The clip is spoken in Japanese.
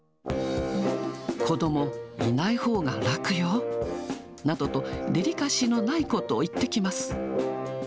子どもいないほうが楽よなどと、デリカシーのないことを言ってきます。